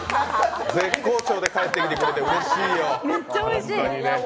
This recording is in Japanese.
絶好調で帰ってきてくれてうれしいよ。